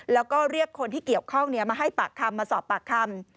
แล้วก็เรียกคนที่เกี่ยวข้องมาให้ปากคำมาสอบปากคำ